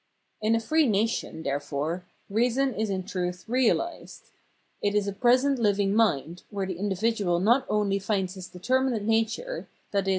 In a free nation, therefore, reason is in truth reahsed. ] It is a present hving mind, where the individual not only finds his determinate nature, i.e.